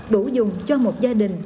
đủ dùng cho một gia đình